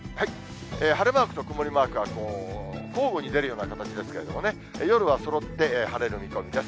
晴れマークと曇りマークが交互に出るような形ですけどもね、夜はそろって晴れる見込みです。